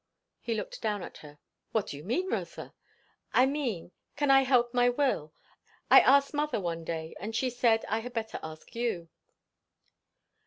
He looked down at her. "What do you mean, Rotha?" "I mean, can I help my will? I asked mother one day, and she said I had better ask you."